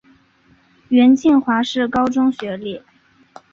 袁敬华是高中学历。